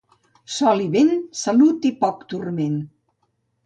Sol i vent, salut i poc turment.